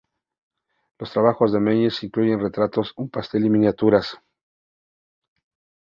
Los trabajos de Mengs incluyen retratos en pastel y miniaturas.